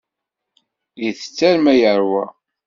Ittett arma yeṛwa.